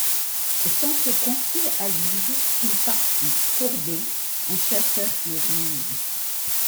Sans se confier à Lise, il partit, courbé, en chasseur qui ruse.